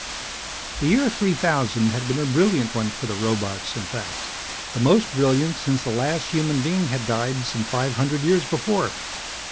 The year three thousand had been a brilliant one for the robots, in fact, the most brilliant since the last human being had died some five hundred years before.